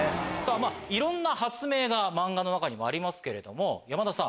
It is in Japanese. いろんな発明が漫画の中にもありますけれども山田さん。